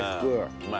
うまい。